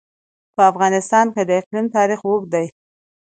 په افغانستان کې د اقلیم تاریخ اوږد دی.